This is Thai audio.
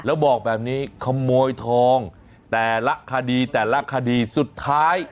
แล้วบอกแบบนี้ขโมยทองแต่ละคดีแต่ละคดีสุดท้าย